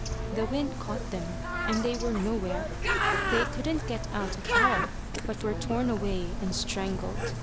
The wind caught them, and they were nowhere. They couldn't get out at all, but were torn away and strangled.